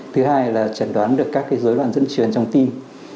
thứ hai là chẩn đoán được các cái rối loạn dẫn truyền trong tim